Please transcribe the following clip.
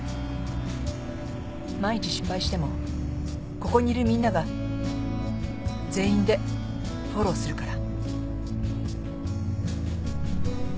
万一失敗してもここにいるみんなが全員でフォローするから。